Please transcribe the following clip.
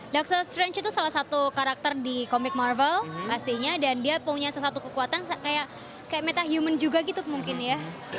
doxer strange itu salah satu karakter di komik marvel pastinya dan dia punya sesuatu kekuatan kayak metahuman juga gitu mungkin ya